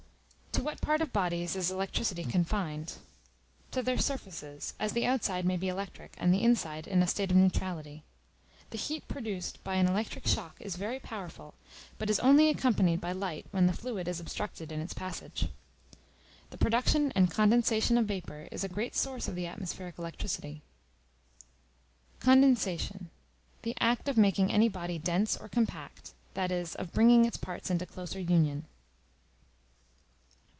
To what part of bodies is Electricity confined? To their surfaces, as the outside may be electric, and the inside in a state of neutrality. The heat produced by an electric shock is very powerful, but is only accompanied by light when the fluid is obstructed in its passage. The production and condensation of vapor is a great source of the atmospheric electricity. Condensation, the act of making any body dense or compact; that is, of bringing its parts into closer union.